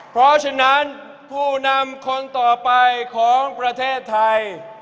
เพราะฉะนั้นผู้นำคนต่อไปของประเทศไทย